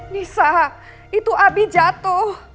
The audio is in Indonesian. nisa itu abi jatuh